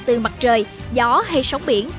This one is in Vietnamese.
từ mặt trời gió hay sóng biển